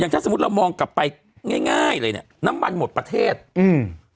ถ้าสมมุติเรามองกลับไปง่ายง่ายเลยเนี้ยน้ำมันหมดประเทศอืม